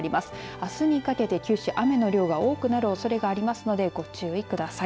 あすにかけて九州は雨の量は多くなるおそれがありますのでご注意ください。